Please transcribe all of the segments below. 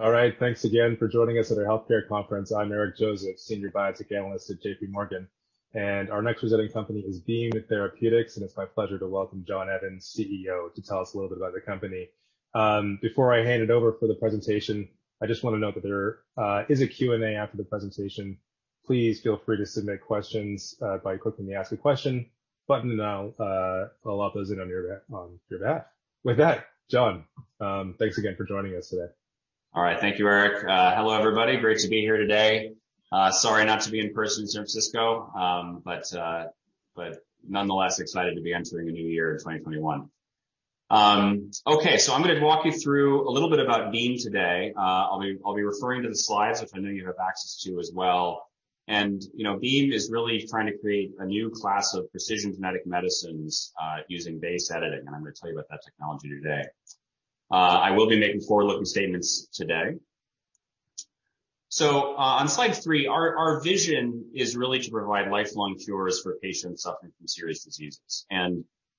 All right. Thanks again for joining us at our healthcare conference. I'm Eric Joseph, Senior Biotech Analyst at JPMorgan, and our next presenting company is Beam Therapeutics, and it's my pleasure to welcome John Evans, CEO, to tell us a little bit about the company. Before I hand it over for the presentation, I just want to note that there is a Q&A after the presentation. Please feel free to submit questions by clicking the Ask a Question button, and I'll put all those in on your behalf. With that, John, thanks again for joining us today. All right. Thank you, Eric. Hello, everybody. Great to be here today. Sorry not to be in person in San Francisco, but nonetheless excited to be entering a new year in 2021. I'm going to walk you through a little bit about Beam today. I'll be referring to the slides, which I know you have access to as well. Beam is really trying to create a new class of precision genetic medicines using base editing, and I'm going to tell you about that technology today. I will be making forward-looking statements today. On slide three, our vision is really to provide lifelong cures for patients suffering from serious diseases.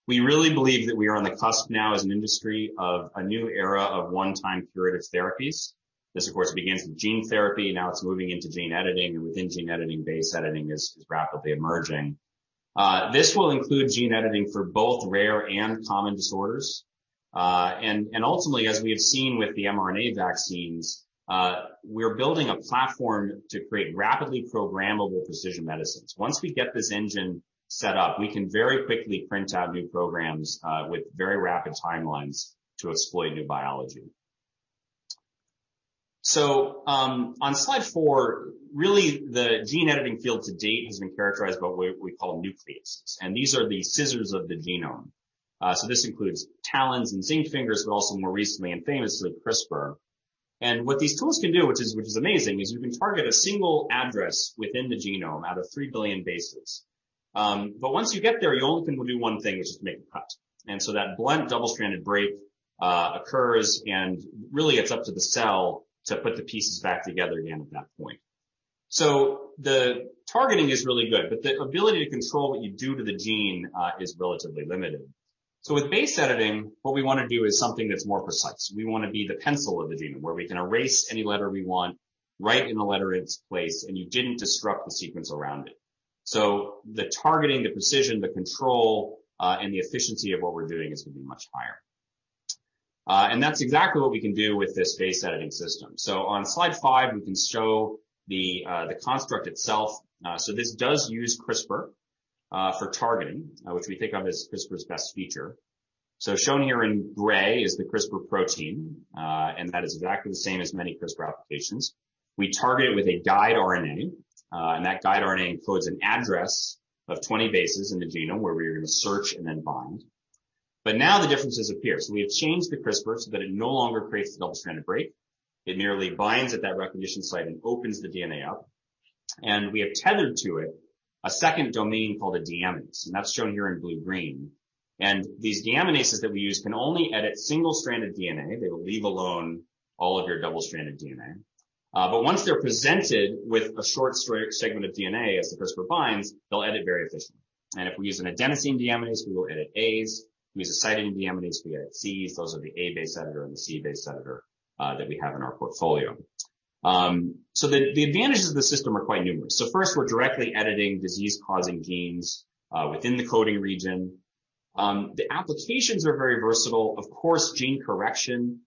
We really believe that we are on the cusp now as an industry of a new era of one-time curative therapies. This, of course, begins with gene therapy. It's moving into gene editing, within gene editing, base editing is rapidly emerging. This will include gene editing for both rare and common disorders. Ultimately, as we have seen with the mRNA vaccines, we're building a platform to create rapidly programmable precision medicines. Once we get this engine set up, we can very quickly print out new programs with very rapid timelines to exploit new biology. On slide four, really the gene editing field to date has been characterized by what we call nucleases. These are the scissors of the genome. This includes TALENs and zinc fingers, also more recently and famously, CRISPR. What these tools can do, which is amazing, is you can target a single address within the genome out of three billion bases. Once you get there, you only can do one thing, which is to make a cut. That blunt double-stranded break occurs and really it's up to the cell to put the pieces back together again at that point. The targeting is really good, but the ability to control what you do to the gene is relatively limited. With base editing, what we want to do is something that's more precise. We want to be the pencil of the genome, where we can erase any letter we want, write in a letter in its place, and you didn't disrupt the sequence around it. The targeting, the precision, the control, and the efficiency of what we're doing is going to be much higher. That's exactly what we can do with this base editing system. On slide five, we can show the construct itself. This does use CRISPR, for targeting, which we think of as CRISPR's best feature. Shown here in gray is the CRISPR protein, and that is exactly the same as many CRISPR applications. We target it with a guide RNA, and that guide RNA encodes an address of 20 bases in the genome where we are going to search and then bind. Now the differences appear. We have changed the CRISPR so that it no longer creates the double-stranded break. It merely binds at that recognition site and opens the DNA up. We have tethered to it a second domain called a deaminase, and that's shown here in blue-green. These deaminases that we use can only edit single-stranded DNA. They will leave alone all of your double-stranded DNA. Once they're presented with a short segment of DNA as the CRISPR binds, they'll edit very efficiently. If we use an adenosine deaminase, we will edit As. If we use a cytosine deaminase, we edit Cs. Those are the A-base editor and the C-base editor that we have in our portfolio. The advantages of the system are quite numerous. First we're directly editing disease-causing genes, within the coding region. The applications are very versatile. Of course, gene correction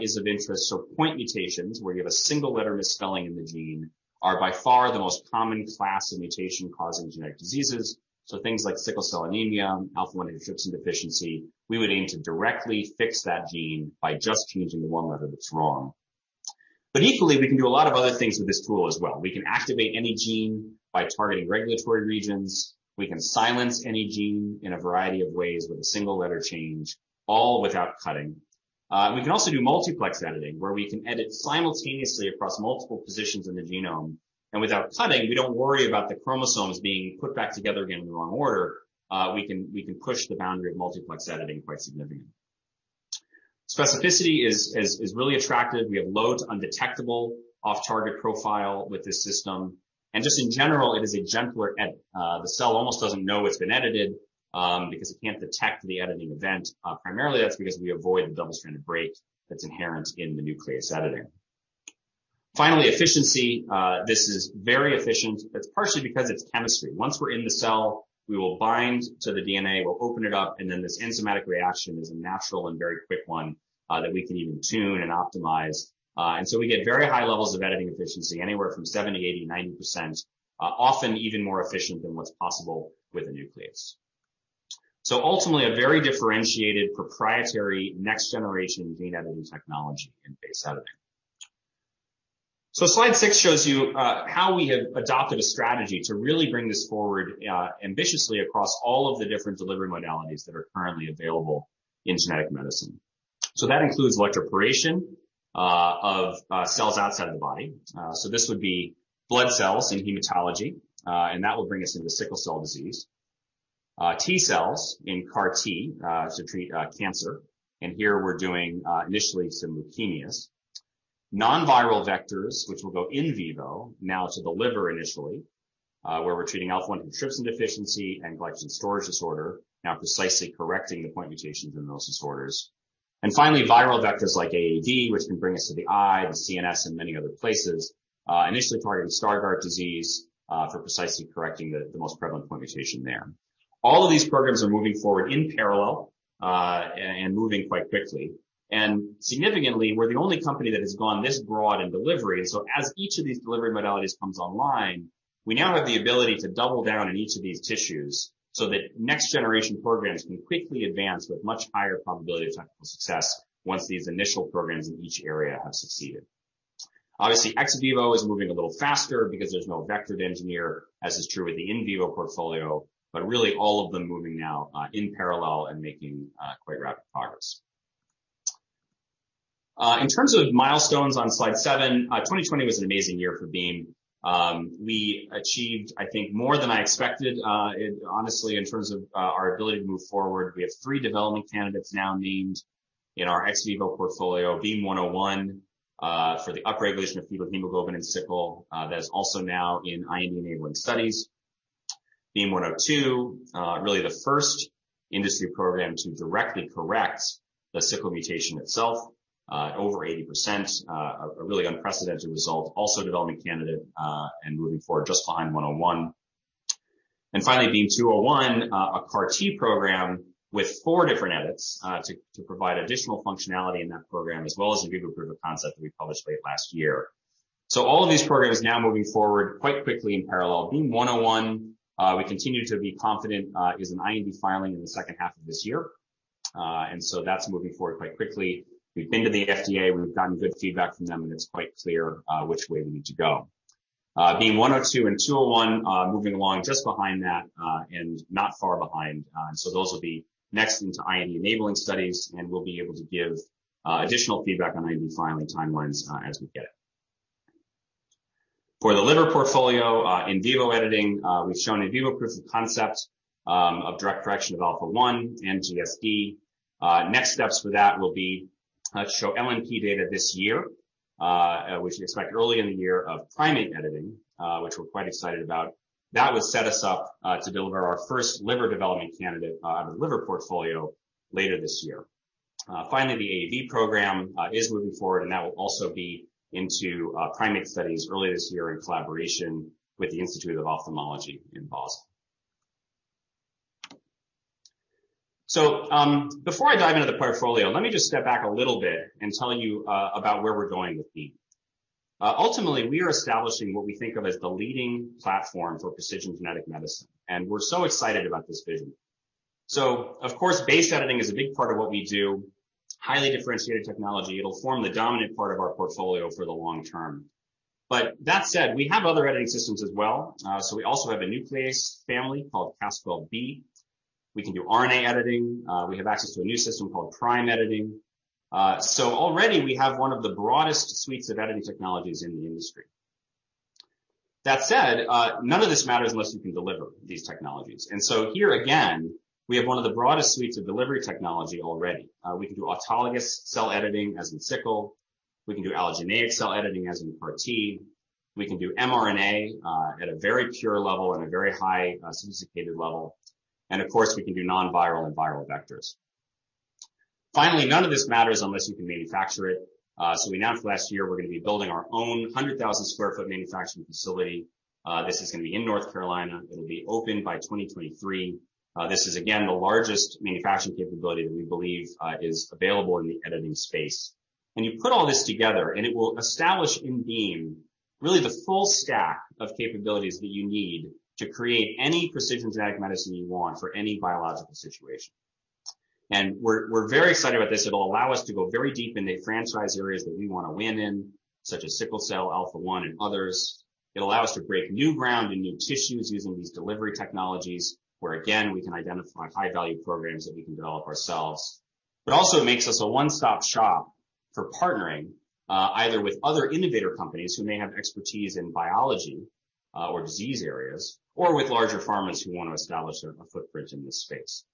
is of interest. Point mutations, where you have a single letter misspelling in the gene, are by far the most common class of mutation-causing genetic diseases. Things like sickle cell anemia, alpha-1 antitrypsin deficiency, we would aim to directly fix that gene by just changing the one letter that's wrong. Equally, we can do a lot of other things with this tool as well. We can activate any gene by targeting regulatory regions. We can silence any gene in a variety of ways with a single letter change, all without cutting. We can also do multiplex editing, where we can edit simultaneously across multiple positions in the genome. Without cutting, we don't worry about the chromosomes being put back together again in the wrong order, we can push the boundary of multiplex editing quite significantly. Specificity is really attractive. We have loads undetectable off-target profile with this system. Just in general, it is a gentler edit. The cell almost doesn't know it's been edited, because it can't detect the editing event. Primarily, that's because we avoid the double-stranded break that's inherent in the nuclease editing. Finally, efficiency. This is very efficient. It's partially because it's chemistry. Once we're in the cell, we will bind to the DNA, we'll open it up, and then this enzymatic reaction is a natural and very quick one that we can even tune and optimize. We get very high levels of editing efficiency, anywhere from 70%, 80%, 90%, often even more efficient than what's possible with a nuclease. Ultimately, a very differentiated proprietary next-generation gene editing technology in base editing. Slide six shows you how we have adopted a strategy to really bring this forward ambitiously across all of the different delivery modalities that are currently available in genetic medicine. That includes electroporation of cells outside of the body. This would be blood cells in hematology, and that will bring us into sickle cell disease. T-cells in CAR-T, to treat cancer. Here we're doing, initially, some leukemias. Non-viral vectors, which will go in vivo, now to the liver initially, where we're treating alpha-1 antitrypsin deficiency and glycogen storage disorder, now precisely correcting the point mutations in those disorders. Finally, viral vectors like AAV, which can bring us to the eye, the CNS, and many other places, initially targeted Stargardt disease, for precisely correcting the most prevalent point mutation there. All of these programs are moving forward in parallel, and moving quite quickly. Significantly, we're the only company that has gone this broad in delivery. As each of these delivery modalities comes online, we now have the ability to double down on each of these tissues, so that next generation programs can quickly advance with much higher probability of technical success once these initial programs in each area have succeeded. Obviously, ex vivo is moving a little faster because there's no vector to engineer, as is true with the in vivo portfolio, but really all of them moving now in parallel and making quite rapid progress. In terms of milestones on slide seven, 2020 was an amazing year for Beam. We achieved, I think, more than I expected, honestly, in terms of our ability to move forward. We have three development candidates now named in our ex vivo portfolio, BEAM-101, for the upregulation of fetal hemoglobin in sickle. That is also now in IND-enabling studies. BEAM-102, really the first industry program to directly correct the sickle mutation itself, over 80%, a really unprecedented result, also a development candidate, and moving forward just behind 101. BEAM-201, a CAR-T program with four different edits to provide additional functionality in that program, as well as in vivo proof of concept that we published late last year. All of these programs now moving forward quite quickly in parallel. BEAM-101, we continue to be confident is an IND filing in the second half of this year. That's moving forward quite quickly. We've been to the FDA, we've gotten good feedback from them, and it's quite clear which way we need to go. BEAM-102 and 201 are moving along just behind that, and not far behind. Those will be next into IND-enabling studies, and we'll be able to give additional feedback on IND filing timelines as we get it. For the liver portfolio, in vivo editing, we've shown in vivo proof of concept of direct correction of alpha-1 and GSD. Next steps for that will be show LNP data this year, which we expect early in the year of prime editing, which we're quite excited about. That would set us up to deliver our first liver development candidate out of the liver portfolio later this year. The AAV program is moving forward, and that will also be into primate studies early this year in collaboration with the Institute of Ophthalmology in Boston. Before I dive into the portfolio, let me just step back a little bit and tell you about where we're going with Beam. Ultimately, we are establishing what we think of as the leading platform for precision genetic medicine, and we're so excited about this vision. Of course, base editing is a big part of what we do, highly differentiated technology. It'll form the dominant part of our portfolio for the long term. That said, we have other editing systems as well. We also have a nuclease family called Cas12b. We can do RNA editing. We have access to a new system called prime editing. Already we have one of the broadest suites of editing technologies in the industry. That said, none of this matters unless you can deliver these technologies. Here, again, we have one of the broadest suites of delivery technology already. We can do autologous cell editing as in sickle. We can do allogeneic cell editing as in CAR-T. We can do mRNA at a very pure level and a very high sophisticated level. Of course, we can do non-viral and viral vectors. Finally, none of this matters unless you can manufacture it. We announced last year we're going to be building our own 100,000 sq ft manufacturing facility. This is going to be in North Carolina. It'll be open by 2023. This is again, the largest manufacturing capability that we believe is available in the editing space. When you put all this together, and it will establish in Beam really the full stack of capabilities that you need to create any precision genetic medicine you want for any biological situation. We're very excited about this. It'll allow us to go very deep into franchise areas that we want to win in, such as sickle cell, alpha-1, and others. It'll allow us to break new ground in new tissues using these delivery technologies, where again, we can identify high-value programs that we can develop ourselves. Also it makes us a one-stop shop for partnering, either with other innovator companies who may have expertise in biology, or disease areas, or with larger pharmas who want to establish a footprint in this space.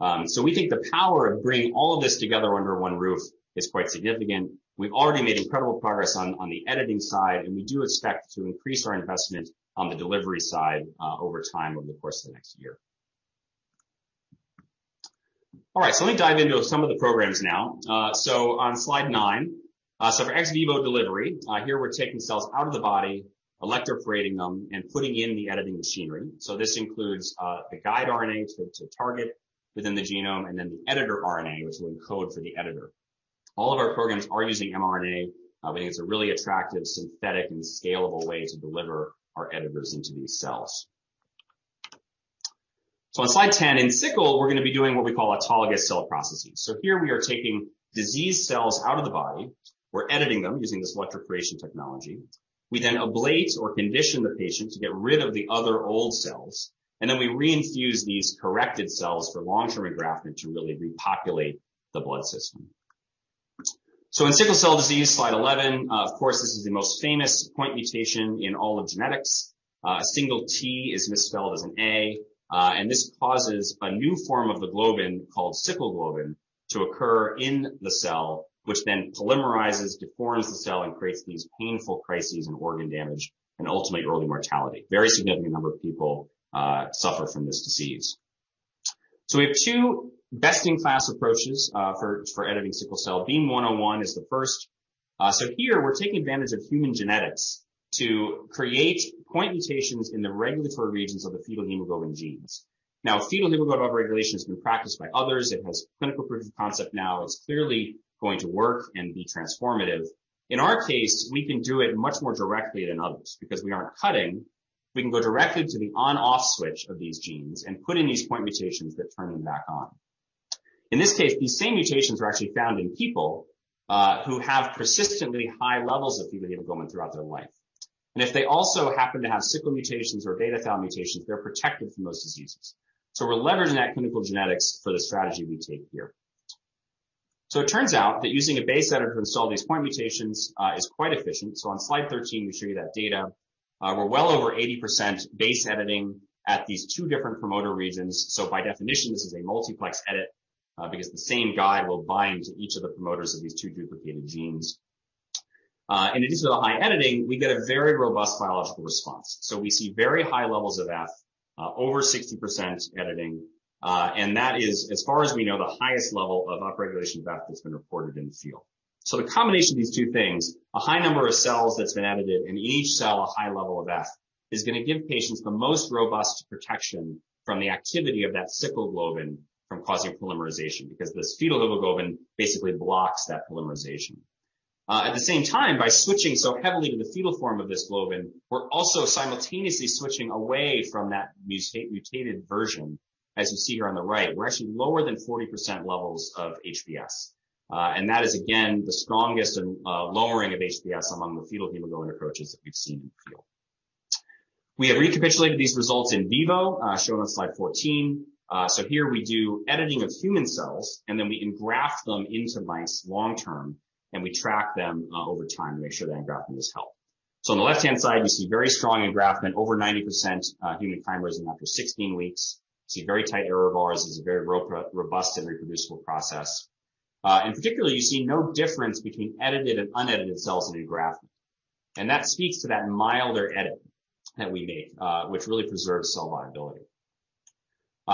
We think the power of bringing all of this together under one roof is quite significant. We've already made incredible progress on the editing side, and we do expect to increase our investment on the delivery side over time over the course of the next year. All right. Let me dive into some of the programs now. On slide nine, for ex vivo delivery, here we're taking cells out of the body, electroporating them, and putting in the editing machinery. This includes the guide RNA to target within the genome, and then the editor RNA, which will encode for the editor. All of our programs are using mRNA. We think it's a really attractive, synthetic, and scalable way to deliver our editors into these cells. On slide 10, in sickle, we're going to be doing what we call autologous cell processing. Here we are taking diseased cells out of the body. We're editing them using this electroporation technology. We then ablate or condition the patient to get rid of the other old cells, and then we reinfuse these corrected cells for long-term engraftment to really repopulate the blood system. In sickle cell disease, slide 11, of course, this is the most famous point mutation in all of genetics. A single T is misspelled as an A, and this causes a new form of the globin called sickle globin to occur in the cell, which then polymerizes, deforms the cell, and creates these painful crises and organ damage, and ultimately early mortality. A very significant number of people suffer from this disease. We have two best-in-class approaches for editing sickle cell. BEAM-101 is the first. Here we're taking advantage of human genetics to create point mutations in the regulatory regions of the fetal hemoglobin genes. Now, fetal hemoglobin upregulation has been practiced by others. It has clinical proof of concept now. It's clearly going to work and be transformative. In our case, we can do it much more directly than others because we aren't cutting. We can go directly to the on/off switch of these genes and put in these point mutations that turn them back on. In this case, these same mutations are actually found in people who have persistently high levels of fetal hemoglobin throughout their life. If they also happen to have sickle mutations or beta thal mutations, they're protected from those diseases. We're leveraging that clinical genetics for the strategy we take here. It turns out that using a base editor to install these point mutations is quite efficient. On slide 13, we show you that data. We're well over 80% base editing at these two different promoter regions. By definition, this is a multiplex edit because the same guide will bind to each of the promoters of these two duplicated genes. In addition to the high editing, we get a very robust biological response. We see very high levels of F, over 60% editing. That is, as far as we know, the highest level of upregulation of F that's been reported in the field. The combination of these two things, a high number of cells that has been edited, and in each cell, a high level of F, is going to give patients the most robust protection from the activity of that sickle globin from causing polymerization, because this fetal hemoglobin basically blocks that polymerization. At the same time, by switching so heavily to the fetal form of this globin, we are also simultaneously switching away from that mutated version, as you see here on the right. We are actually lower than 40% levels of HbS. That is again, the strongest lowering of HbS among the fetal hemoglobin approaches that we have seen in the field. We have recapitulated these results in vivo, shown on slide 14. Here we do editing of human cells, and then we engraft them into mice long-term, and we track them over time to make sure that engraftment is helped. On the left-hand side, you see very strong engraftment, over 90% human chimerism after 16 weeks. You see very tight error bars. This is a very robust and reproducible process. Particularly, you see no difference between edited and unedited cells in engraftment. That speaks to that milder edit that we make, which really preserves cell viability.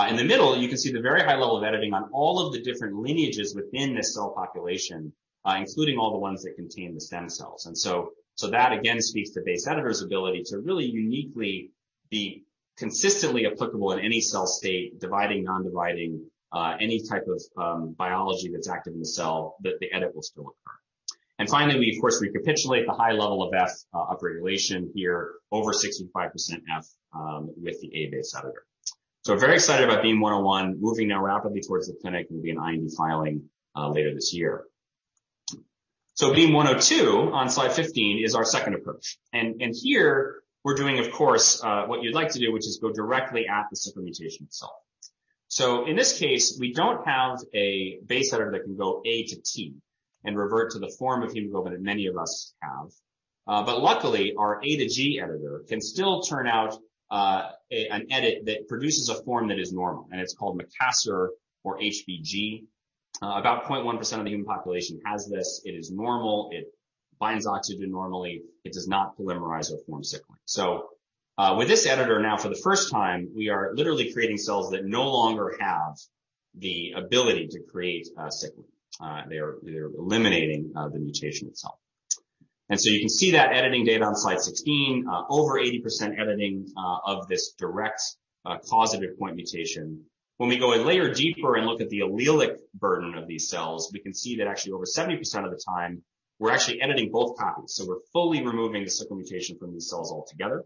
In the middle, you can see the very high level of editing on all of the different lineages within this cell population, including all the ones that contain the stem cells. That again speaks to base editor's ability to really uniquely be consistently applicable in any cell state, dividing, non-dividing, any type of biology that's active in the cell, that the edit will still occur. Finally, we, of course, recapitulate the high level of F upregulation here, over 65% F with the A base editor. We're very excited about BEAM-101 moving now rapidly towards the clinic and will be an IND filing later this year. BEAM-102 on slide 15 is our second approach. Here we're doing, of course, what you'd like to do, which is go directly at the sickle mutation itself. In this case, we don't have a base editor that can go A to T and revert to the form of hemoglobin that many of us have. Luckily, our A-to-G editor can still turn out an edit that produces a form that is normal, and it's called Makassar or HBG. About 0.1% of the human population has this. It is normal. It binds oxygen normally. It does not polymerize or form sickle. With this editor now for the first time, we are literally creating cells that no longer have the ability to create sickle. They're eliminating the mutation itself. You can see that editing data on slide 16, over 80% editing of this direct causative point mutation. When we go a layer deeper and look at the allelic burden of these cells, we can see that actually over 70% of the time, we're actually editing both copies. We're fully removing the sickle mutation from these cells altogether.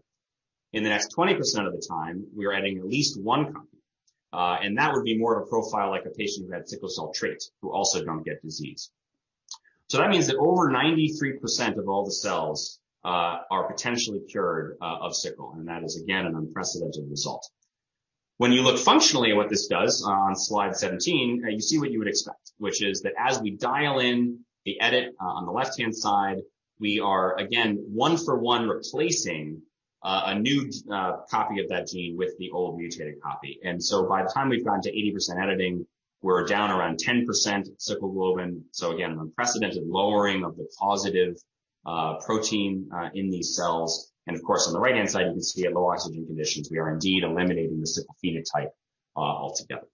In the next 20% of the time, we are editing at least one copy, and that would be more of a profile like a patient who had sickle cell trait who also don't get disease. That means that over 93% of all the cells are potentially cured of sickle, and that is again, an unprecedented result. When you look functionally at what this does on slide 17, you see what you would expect, which is that as we dial in the edit on the left-hand side, we are again one-for-one replacing a new copy of that gene with the old mutated copy. By the time we've gotten to 80% editing, we're down around 10% sickle globin. Again, an unprecedented lowering of the causative protein in these cells. Of course, on the right-hand side, you can see at low oxygen conditions, we are indeed eliminating the sickle phenotype altogether.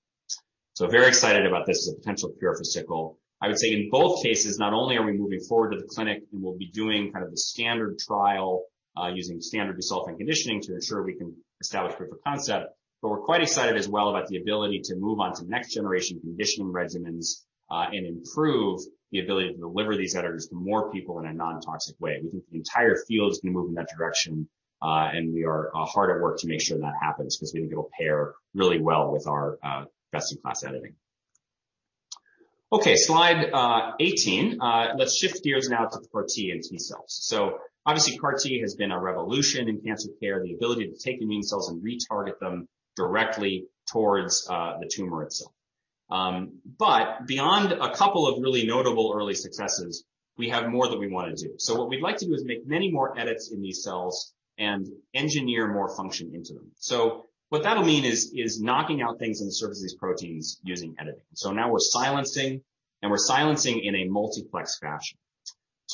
Very excited about this as a potential cure for sickle. I would say in both cases, not only are we moving forward to the clinic and we'll be doing kind of the standard trial using standard busulfan conditioning to ensure we can establish proof of concept, but we're quite excited as well about the ability to move on to next-generation conditioning regimens and improve the ability to deliver these editors to more people in a non-toxic way. We think the entire field is going to move in that direction, and we are hard at work to make sure that happens because we think it'll pair really well with our best-in-class editing. Okay, slide 18. Let's shift gears now to the CAR-T and T-cells. Obviously, CAR-T has been a revolution in cancer care, the ability to take immune cells and retarget them directly towards the tumor itself. Beyond a couple of really notable early successes, we have more that we want to do. What we'd like to do is make many more edits in these cells and engineer more function into them. What that'll mean is knocking out things on the surface of these proteins using editing. Now we're silencing, and we're silencing in a multiplex fashion.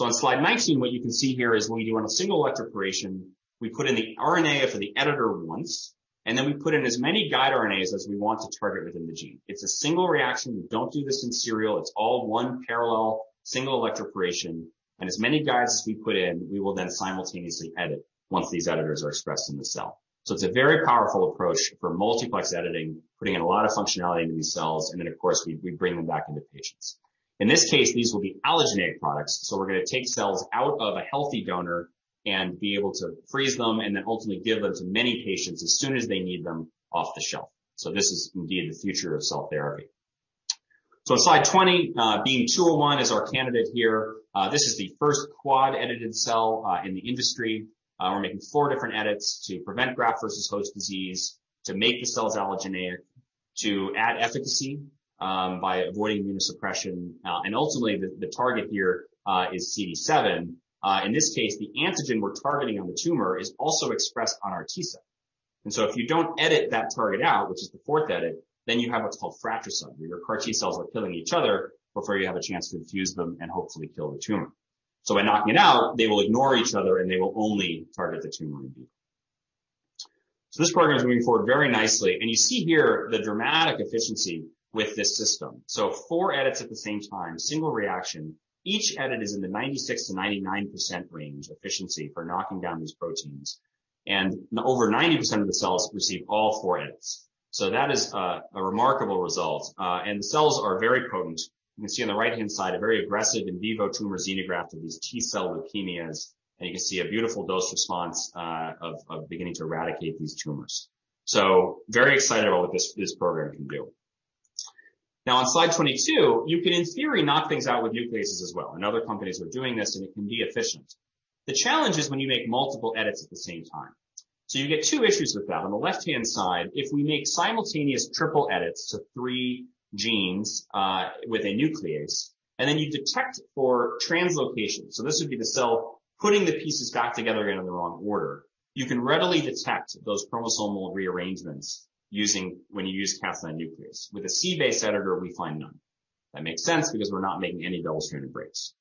On slide 19, what you can see here is when we do a single electroporation, we put in the RNA for the editor once, and then we put in as many guide RNAs as we want to target within the gene. It's a single reaction. We don't do this in serial. It's all one parallel single electroporation, and as many guides as we put in, we will then simultaneously edit once these editors are expressed in the cell. It's a very powerful approach for multiplex editing, putting in a lot of functionality into these cells, and then, of course, we bring them back into patients. In this case, these will be allogeneic products, so we're going to take cells out of a healthy donor and be able to freeze them and then ultimately give them to many patients as soon as they need them off the shelf. This is indeed the future of cell therapy. Slide 20, BEAM-201 is our candidate here. This is the first quad edited cell in the industry. We're making four different edits to prevent graft-versus-host disease, to make the cells allogeneic, to add efficacy by avoiding immunosuppression. Ultimately, the target here is CD7. In this case, the antigen we're targeting on the tumor is also expressed on our T-cell. If you don't edit that target out, which is the fourth edit, then you have what's called fratricide, where your CAR-T cells are killing each other before you have a chance to infuse them and hopefully kill the tumor. By knocking it out, they will ignore each other, and they will only target the tumor indeed. This program is moving forward very nicely, and you see here the dramatic efficiency with this system. Four edits at the same time, single reaction. Each edit is in the 96%-99% range efficiency for knocking down these proteins, and over 90% of the cells receive all four edits. That is a remarkable result. The cells are very potent. You can see on the right-hand side a very aggressive in vivo tumor xenograft of these T-cell leukemias. You can see a beautiful dose response of beginning to eradicate these tumors. Very excited about what this program can do. Now, on slide 22, you can, in theory, knock things out with nucleases as well, and other companies are doing this, and it can be efficient. The challenge is when you make multiple edits at the same time. You get two issues with that. On the left-hand side, if we make simultaneous triple edits to three genes with a nuclease, and then you detect for translocation, so this would be the cell putting the pieces back together again in the wrong order. You can readily detect those chromosomal rearrangements when you use Cas9 nuclease. With a C base editor, we find none. That makes sense because we're not making any double-stranded breaks.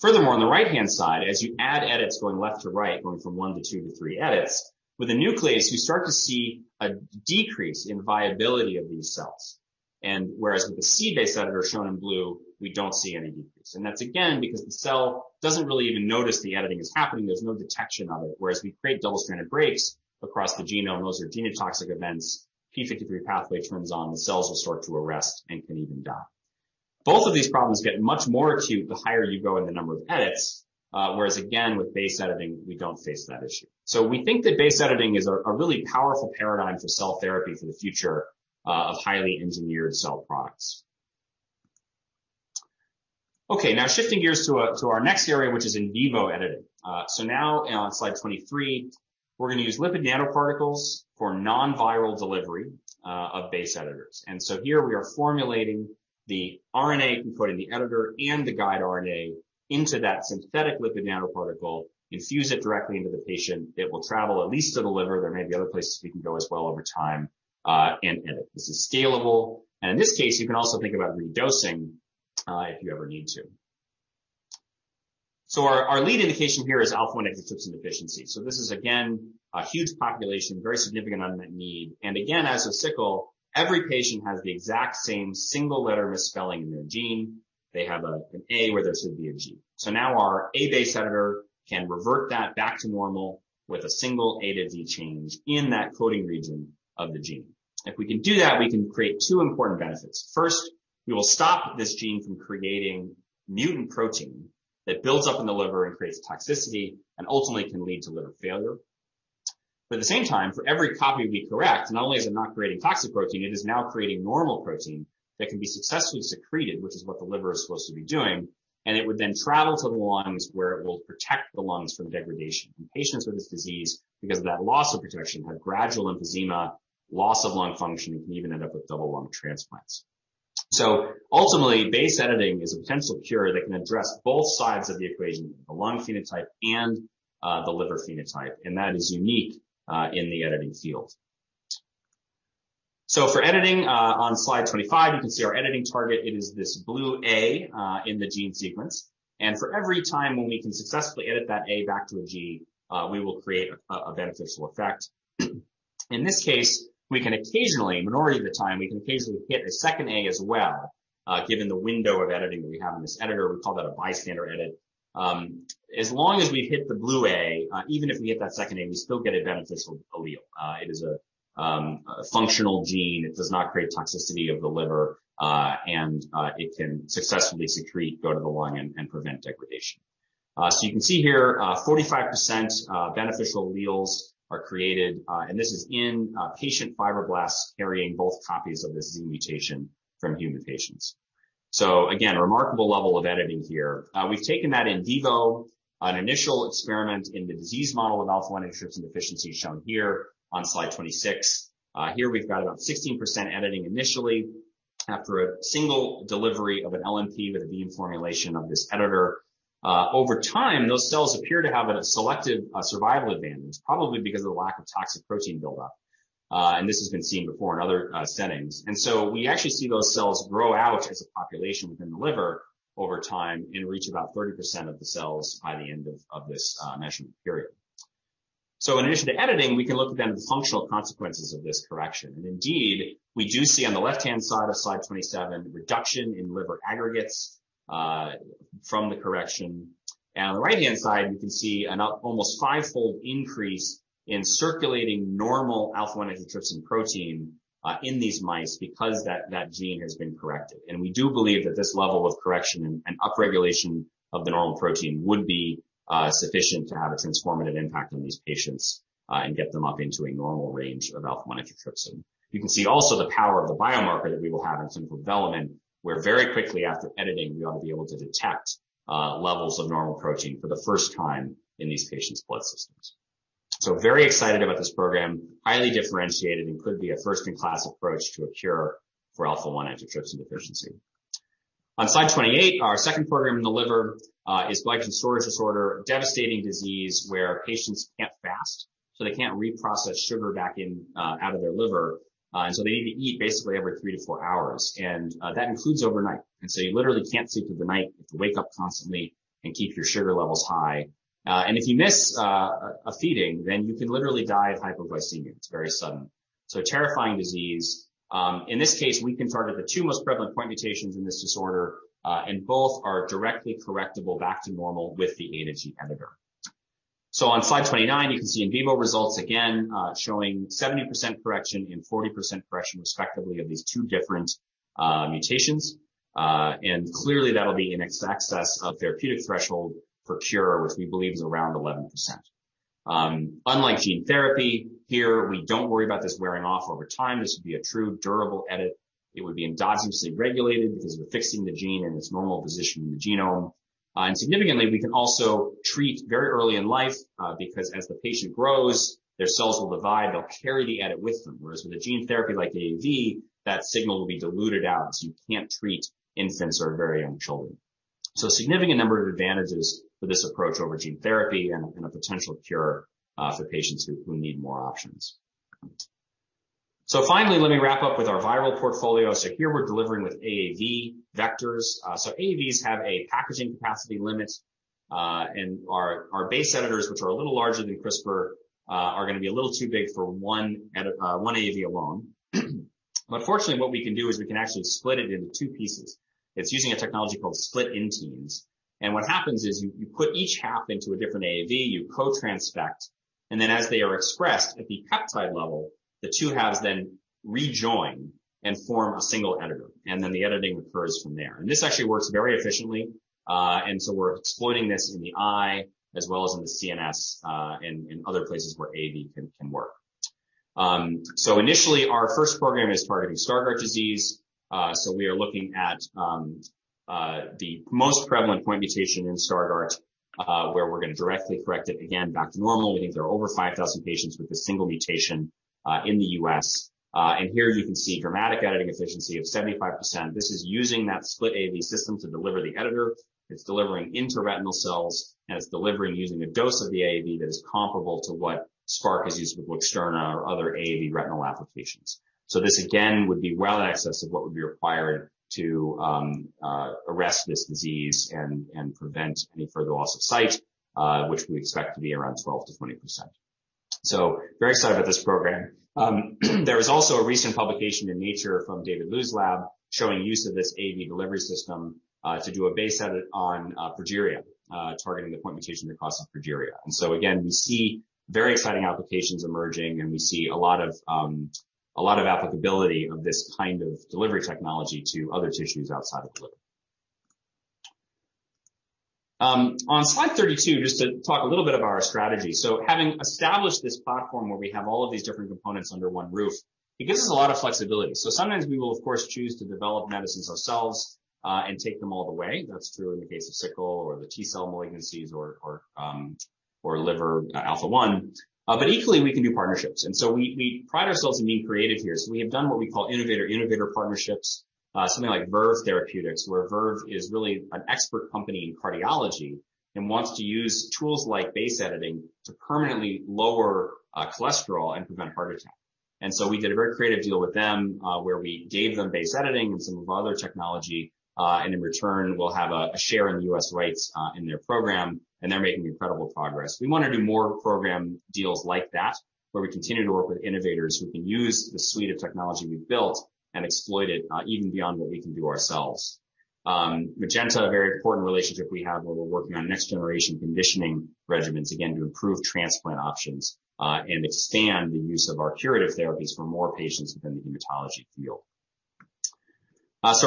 Furthermore, on the right-hand side, as you add edits going left to right, going from one to two to three edits, with a nuclease, you start to see a decrease in viability of these cells. Whereas with a C base editor shown in blue, we don't see any decrease. That's, again, because the cell doesn't really even notice the editing is happening. There's no detection of it. Whereas we create double-stranded breaks across the genome, those are genotoxic events, p53 pathway turns on, the cells will start to arrest and can even die. Both of these problems get much more acute the higher you go in the number of edits. Whereas again, with base editing, we don't face that issue. We think that base editing is a really powerful paradigm for cell therapy for the future of highly engineered cell products. Now on slide 23, we're going to use lipid nanoparticles for non-viral delivery of base editors. Here we are formulating the RNA encoding the editor and the guide RNA into that synthetic lipid nanoparticle, infuse it directly into the patient. It will travel at least to the liver. There may be other places we can go as well over time and edit. This is scalable. In this case, you can also think about redosing, if you ever need to. Our lead indication here is alpha-1 antitrypsin deficiency. This is again, a huge population, very significant unmet need. Again, as with sickle, every patient has the exact same single letter misspelling in their gene. They have an A where there should be a G. Now our A base editor can revert that back to normal with a single A to G change in that coding region of the gene. If we can do that, we can create two important benefits. First, we will stop this gene from creating mutant protein that builds up in the liver and creates toxicity and ultimately can lead to liver failure. At the same time, for every copy we correct, not only is it not creating toxic protein, it is now creating normal protein that can be successfully secreted, which is what the liver is supposed to be doing, and it would then travel to the lungs where it will protect the lungs from degradation. In patients with this disease, because of that loss of protection, have gradual emphysema, loss of lung function, and can even end up with double lung transplants. Ultimately, base editing is a potential cure that can address both sides of the equation, the lung phenotype and the liver phenotype, and that is unique in the editing field. For editing, on slide 25, you can see our editing target. It is this blue A in the gene sequence. For every time when we can successfully edit that A back to a G, we will create a beneficial effect. In this case, we can occasionally, a minority of the time, hit a second A as well, given the window of editing that we have on this editor. We call that a bystander edit. As long as we hit the blue A, even if we hit that second A, we still get a beneficial allele. It is a functional gene. It does not create toxicity of the liver, and it can successfully secrete, go to the lung, and prevent degradation. You can see here, 45% beneficial alleles are created, and this is in patient fibroblasts carrying both copies of this Z mutation from human patients. Again, remarkable level of editing here. We've taken that in vivo, an initial experiment in the disease model with alpha-1 antitrypsin deficiency shown here on slide 26. Here we've got about 16% editing initially after a single delivery of an LNP with a Beam formulation of this editor. Over time, those cells appear to have a selective survival advantage, probably because of the lack of toxic protein buildup. This has been seen before in other settings. We actually see those cells grow out as a population within the liver over time and reach about 30% of the cells by the end of this measurement period. In addition to editing, we can look then at the functional consequences of this correction. Indeed, we do see on the left-hand side of slide 27, reduction in liver aggregates from the correction. On the right-hand side, we can see an almost fivefold increase in circulating normal alpha-1 antitrypsin protein in these mice because that gene has been corrected. We do believe that this level of correction and upregulation of the normal protein would be sufficient to have a transformative impact on these patients, and get them up into a normal range of alpha-1 antitrypsin. You can see also the power of the biomarker that we will have in clinical development, where very quickly after editing, we ought to be able to detect levels of normal protein for the first time in these patients' blood systems. Very excited about this program, highly differentiated, and could be a first-in-class approach to a cure for alpha-1 antitrypsin deficiency. On slide 28, our second program in the liver is glycogen storage disorder, a devastating disease where patients can't fast, so they can't reprocess sugar back out of their liver. They need to eat basically every three to four hours. That includes overnight. You literally can't sleep through the night, you have to wake up constantly and keep your sugar levels high. If you miss a feeding, then you can literally die of hypoglycemia. It's very sudden. A terrifying disease. In this case, we can target the two most prevalent point mutations in this disorder. Both are directly correctable back to normal with the A-to-G editor. On slide 29, you can see in vivo results, again, showing 70% correction and 40% correction, respectively, of these two different mutations. Clearly, that'll be in excess of therapeutic threshold for cure, which we believe is around 11%. Unlike gene therapy, here, we don't worry about this wearing off over time. This would be a true durable edit. It would be endogenously regulated because we're fixing the gene in its normal position in the genome. Significantly, we can also treat very early in life, because as the patient grows, their cells will divide, they'll carry the edit with them. With a gene therapy like AAV, that signal will be diluted out, so you can't treat infants or very young children. A significant number of advantages for this approach over gene therapy and a potential cure for patients who need more options. Finally, let me wrap up with our viral portfolio. Here we're delivering with AAV vectors. AAVs have a packaging capacity limit, and our base editors, which are a little larger than CRISPR, are going to be a little too big for one AAV alone. Fortunately, what we can do is we can actually split it into two pieces. It's using a technology called split inteins. What happens is you put each half into a different AAV, you co-transfect, and then as they are expressed at the peptide level, the two halves then rejoin and form a single editor, and then the editing occurs from there. This actually works very efficiently. We're exploiting this in the eye as well as in the CNS, and in other places where AAV can work. Initially, our first program is targeting Stargardt disease. We are looking at the most prevalent point mutation in Stargardt, where we're going to directly correct it again back to normal. We think there are over 5,000 patients with this single mutation in the U.S. Here you can see dramatic editing efficiency of 75%. This is using that split AAV system to deliver the editor. It's delivering into retinal cells, and it's delivering using a dose of the AAV that is comparable to what Spark has used with LUXTURNA or other AAV retinal applications. This, again, would be well in excess of what would be required to arrest this disease and prevent any further loss of sight, which we expect to be around 12%-20%. Very excited about this program. There was also a recent publication in "Nature" from David Liu's lab showing use of this AAV delivery system, to do a base edit on progeria, targeting the point mutation that causes progeria. Again, we see very exciting applications emerging, and we see a lot of applicability of this kind of delivery technology to other tissues outside of the liver. On slide 32, just to talk a little bit about our strategy. Having established this platform where we have all of these different components under one roof, it gives us a lot of flexibility. Sometimes we will, of course, choose to develop medicines ourselves, and take them all the way. That's true in the case of sickle or the T-cell malignancies or liver alpha-1. Equally, we can do partnerships. We pride ourselves in being creative here. We have done what we call innovator-innovator partnerships. Something like Verve Therapeutics, where Verve is really an expert company in cardiology and wants to use tools like base editing to permanently lower cholesterol and prevent heart attack. We did a very creative deal with them, where we gave them base editing and some of our other technology, and in return, we'll have a share in the U.S. rights in their program, and they're making incredible progress. We want to do more program deals like that, where we continue to work with innovators who can use the suite of technology we've built and exploit it even beyond what we can do ourselves. Magenta Therapeutics, a very important relationship we have where we're working on next-generation conditioning regimens, again, to improve transplant options, and expand the use of our curative therapies for more patients within the hematology field.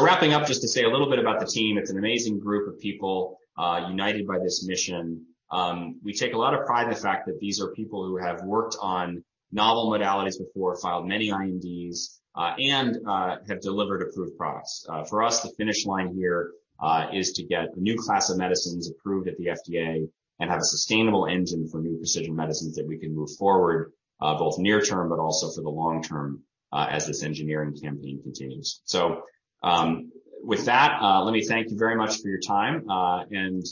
Wrapping up, just to say a little bit about the team. It's an amazing group of people, united by this mission. We take a lot of pride in the fact that these are people who have worked on novel modalities before, filed many INDs, and have delivered approved products. For us, the finish line here is to get a new class of medicines approved at the FDA and have a sustainable engine for new precision medicines that we can move forward, both near term but also for the long term, as this engineering campaign continues. With that, let me thank you very much for your time, and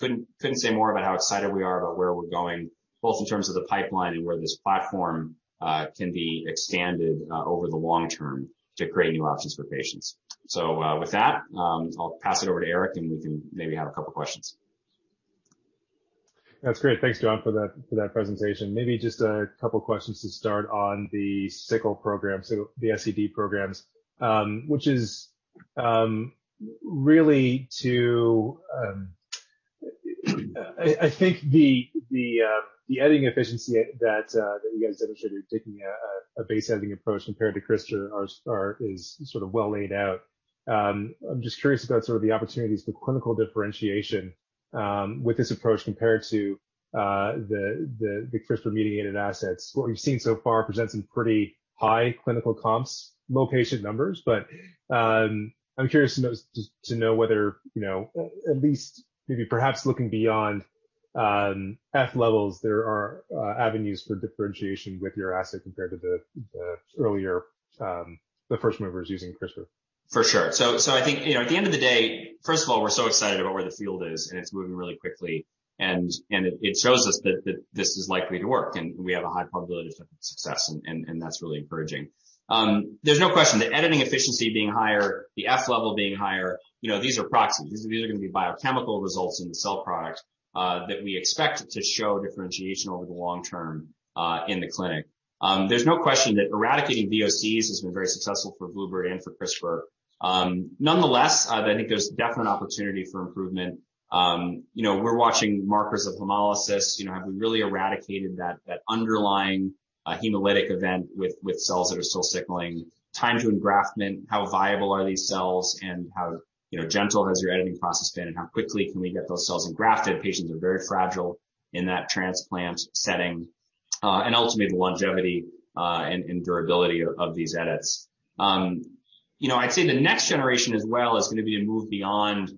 couldn't say more about how excited we are about where we're going, both in terms of the pipeline and where this platform can be expanded over the long term to create new options for patients. With that, I'll pass it over to Eric, and we can maybe have a couple questions. That's great. Thanks, John, for that presentation. Maybe just a couple of questions to start on the sickle program, so the SCD programs, which is really I think the editing efficiency that you guys demonstrated taking a base editing approach compared to CRISPR is sort of well laid out. I'm just curious about sort of the opportunities for clinical differentiation with this approach compared to the CRISPR-mediated assets. What we've seen so far presents some pretty high clinical comps, low patient numbers, but I'm curious to know whether, at least maybe perhaps looking beyond F levels, there are avenues for differentiation with your asset compared to the first movers using CRISPR. For sure. I think, at the end of the day, first of all, we're so excited about where the field is, and it's moving really quickly. It shows us that this is likely to work, and we have a high probability of success, and that's really encouraging. There's no question the editing efficiency being higher, the F level being higher, these are proxies. These are going to be biochemical results in the cell product that we expect to show differentiation over the long term in the clinic. There's no question that eradicating VOEs has been very successful for Bluebird and for CRISPR. Nonetheless, I think there's definite opportunity for improvement. We're watching markers of hemolysis. Have we really eradicated that underlying hemolytic event with cells that are still sickling? Time to engraftment, how viable are these cells, and how gentle has your editing process been, and how quickly can we get those cells engrafted? Patients are very fragile in that transplant setting. Ultimately, the longevity and durability of these edits. I'd say the next generation as well is going to be to move beyond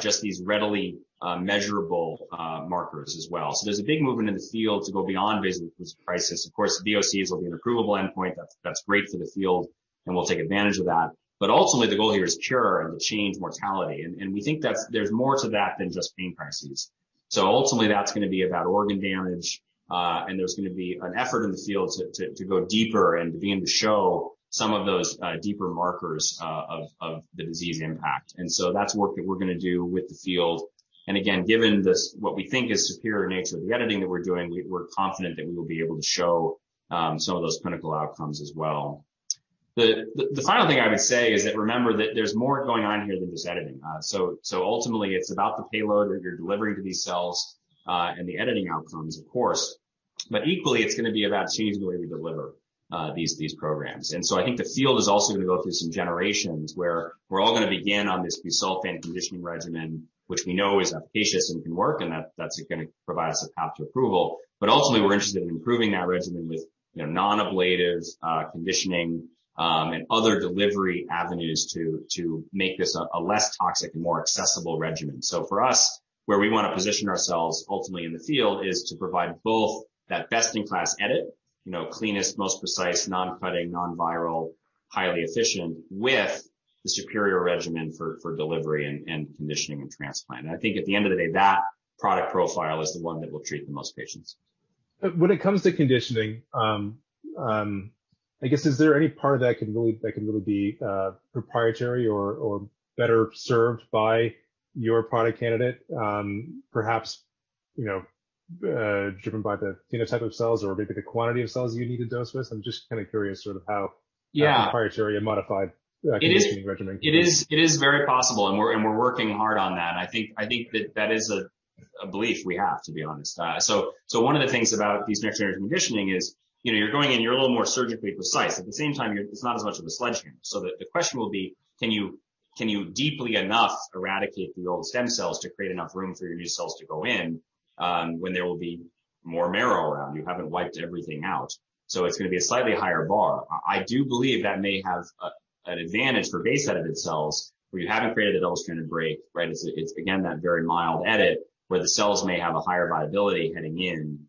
just these readily measurable markers as well. There's a big movement in the field to go beyond vaso crisis. Of course, VOCs will be an approvable endpoint. That's great for the field, and we'll take advantage of that. Ultimately, the goal here is cure and to change mortality. We think that there's more to that than just pain crises. Ultimately, that's going to be about organ damage, and there's going to be an effort in the field to go deeper and to begin to show some of those deeper markers of the disease impact. That's work that we're going to do with the field. Again, given what we think is superior nature of the editing that we're doing, we're confident that we will be able to show some of those clinical outcomes as well. The final thing I would say is that, remember that there's more going on here than just editing. Ultimately, it's about the payload that you're delivering to these cells, and the editing outcomes, of course. Equally, it's going to be about changing the way we deliver these programs. I think the field is also going to go through some generations, where we're all going to begin on this busulfan conditioning regimen, which we know is efficacious and can work, and that's going to provide us a path to approval. Ultimately, we're interested in improving that regimen with non-ablative conditioning and other delivery avenues to make this a less toxic and more accessible regimen. For us, where we want to position ourselves ultimately in the field is to provide both that best-in-class edit, cleanest, most precise, non-cutting, non-viral, highly efficient, with the superior regimen for delivery and conditioning and transplant. I think at the end of the day, that product profile is the one that will treat the most patients. When it comes to conditioning, I guess, is there any part of that that can really be proprietary or better served by your product candidate, perhaps, driven by the phenotype of cells or maybe the quantity of cells you need to dose with? Yeah that proprietary and modified conditioning regimen. It is very possible, and we're working hard on that. I think that is a belief we have, to be honest. One of the things about these next-generation conditioning is, you're going in, you're a little more surgically precise. At the same time, it's not as much of a sledgehammer. The question will be, can you deeply enough eradicate the old stem cells to create enough room for your new cells to go in, when there will be more marrow around? You haven't wiped everything out. It's going to be a slightly higher bar. I do believe that may have an advantage for base edited cells, where you haven't created a double-stranded break, right? It's, again, that very mild edit, where the cells may have a higher viability heading in,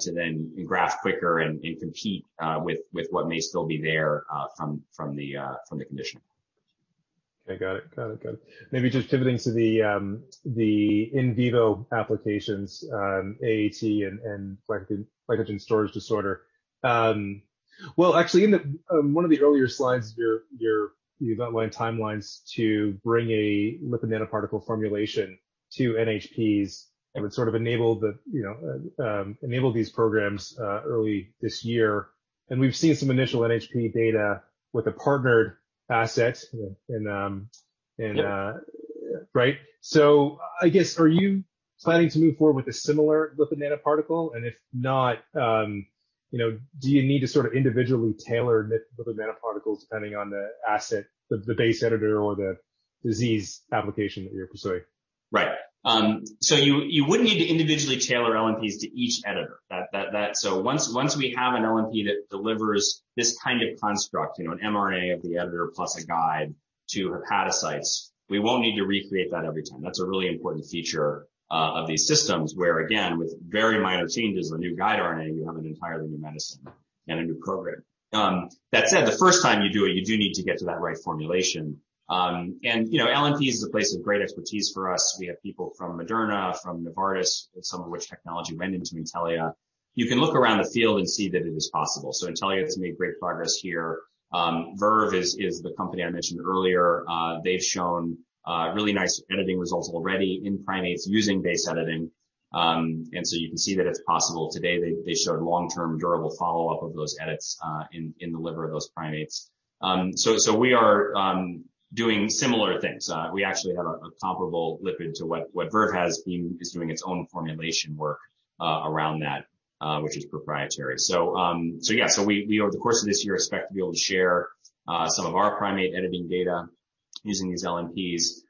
to then engraft quicker and compete with what may still be there from the conditioning. Okay. Got it. Maybe just pivoting to the in vivo applications, AAT and glycogen storage disorder. Well, actually, in one of the earlier slides, you outlined timelines to bring a lipid nanoparticle formulation to NHPs, and would sort of enable these programs early this year. We've seen some initial NHP data with a partnered asset. Yep Right? I guess, are you planning to move forward with a similar lipid nanoparticle? If not, do you need to sort of individually tailor lipid nanoparticles depending on the asset, the base editor, or the disease application that you're pursuing? Right. You wouldn't need to individually tailor LNPs to each editor. Once we have an LNP that delivers this kind of construct, an mRNA of the editor plus a guide to hepatocytes, we won't need to recreate that every time. That's a really important feature of these systems where, again, with very minor changes in the new guide RNA, you have an entirely new medicine and a new program. That said, the first time you do it, you do need to get to that right formulation. LNP is a place of great expertise for us. We have people from Moderna, from Novartis, some of which technology went into Intellia. You can look around the field and see that it is possible. Intellia has made great progress here. Verve is the company I mentioned earlier. They've shown really nice editing results already in primates using base editing. You can see that it's possible today. They showed long-term durable follow-up of those edits in the liver of those primates. We are doing similar things. We actually have a comparable lipid to what Verve has. Beam is doing its own formulation work around that, which is proprietary. We, over the course of this year, expect to be able to share some of our primate editing data using these LNPs.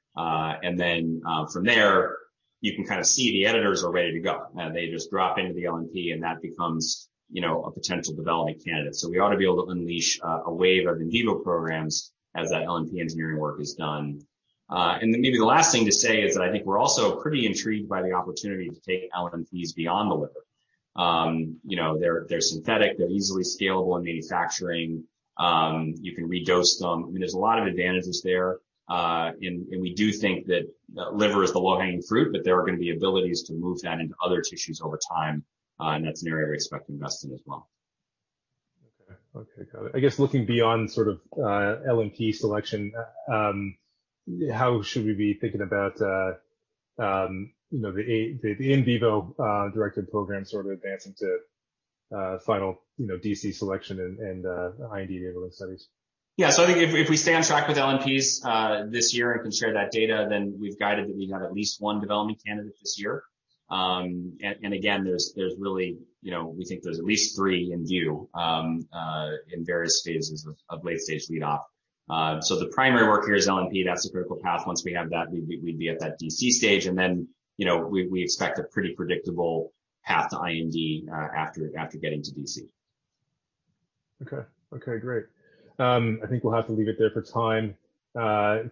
From there, you can kind of see the editors are ready to go, and they just drop into the LNP, and that becomes a potential development candidate. We ought to be able to unleash a wave of in vivo programs as that LNP engineering work is done. Maybe the last thing to say is that I think we're also pretty intrigued by the opportunity to take LNPs beyond the liver. They're synthetic, they're easily scalable in manufacturing. You can redose them. I mean, there's a lot of advantages there. We do think that liver is the low-hanging fruit, but there are going to be abilities to move that into other tissues over time. That's an area we expect to invest in as well. Okay. Got it. I guess looking beyond sort of LNP selection, how should we be thinking about the in vivo directed program sort of advancing to final DC selection and IND-enabling studies? I think if we stay on track with LNPs this year and can share that data, then we've guided that we'd have at least one development candidate this year. Again, we think there's at least three in view, in various phases of late-stage lead opt. The primary work here is LNP. That's the critical path. Once we have that, we'd be at that DC stage and then we expect a pretty predictable path to IND after getting to DC. Okay. Great. I think we'll have to leave it there for time.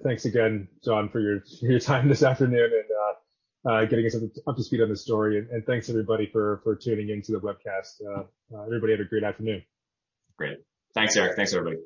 Thanks again, John, for your time this afternoon and getting us up to speed on the story. Thanks everybody for tuning in to the webcast. Everybody have a great afternoon. Great. Thanks, Eric. Thanks, everybody.